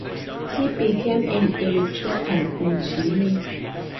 He became an electrical engineer.